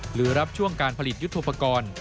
หรือรับช่วงการผลิตยุทธโปรกรณ์